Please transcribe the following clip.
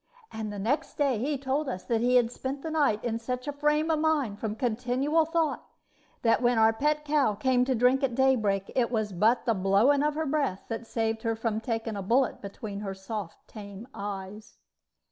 And the next day he told us that he had spent the night in such a frame of mind from continual thought that when our pet cow came to drink at daybreak, it was but the blowing of her breath that saved her from taking a bullet between her soft tame eyes.